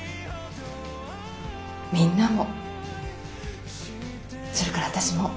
みんなもそれから私も。